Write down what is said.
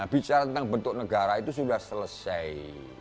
bicara tentang bentuk negara itu sudah selesai